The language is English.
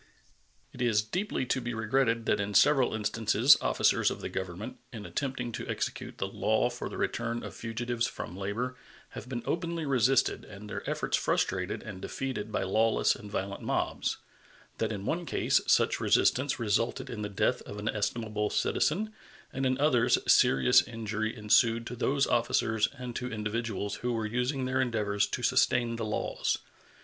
It is deeply to be regretted that in several instances officers of the Government, in attempting to execute the law for the return of fugitives from labor, have been openly resisted and their efforts frustrated and defeated by lawless and violent mobs; that in one case such resistance resulted in the death of an estimable citizen, and in others serious injury ensued to those officers and to individuals who were using their endeavors to sustain the laws.